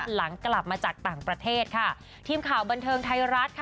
หลังกลับมาจากต่างประเทศค่ะ